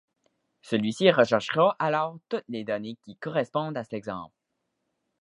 Celui-ci recherchera alors toutes les données qui correspondent à cet exemple.